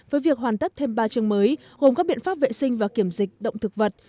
với việc hoàn tất thêm ba trường mới gồm các biện pháp vệ sinh và kiểm dịch động thực vật